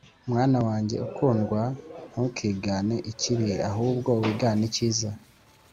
mwana wanjye Ukundwa ntukigane ikibi ahubwo w gane icyiza